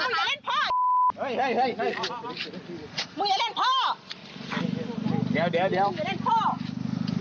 มึงอย่าเล่นพอ